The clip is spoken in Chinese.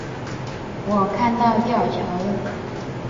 我看到吊桥了